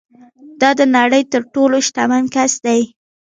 دا د نړۍ تر ټولو شتمن کس ده